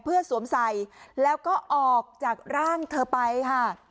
เพื่อสวมใส่แล้วก็ออกจากร่างเธอไปค่ะ